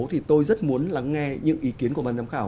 thì tôi rất muốn lắng nghe những ý kiến của ban giám khảo